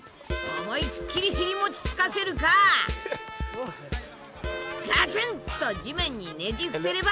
思いっきり尻餅つかせるかガツンと地面にねじ伏せれば勝ち。